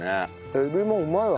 エビもうまいわ。